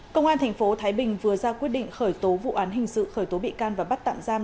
công an tp thái bình vừa ra quyết định khởi tố vụ án hình sự khởi tố bị can và bắt tạm giam